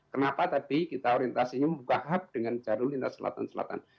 kenapa tadi kita orientasinya membuka hub dengan jalur lintas selatan selatan